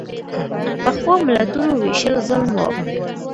پخوا ملتونو وېشل ظلم و.